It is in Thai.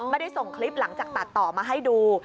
ไม่ได้ส่งคลิปหลังจากตัดต่อมาให้ดู